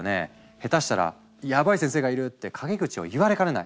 ヘタしたら「ヤバイ先生がいる」って陰口を言われかねない。